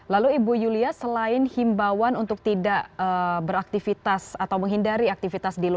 lalu ibu yulia selain himbawan untuk tidak beraktivitas atau menghindari aktivitas di luar